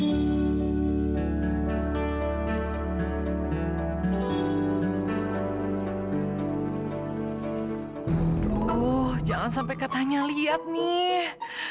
aduh jangan sampai katanya lihat nih